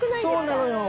そうなのよ。